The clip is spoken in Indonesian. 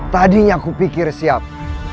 tadinya aku pikir siapa